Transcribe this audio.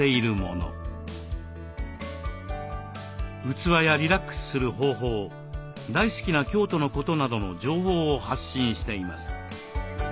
器やリラックスする方法大好きな京都のことなどの情報を発信しています。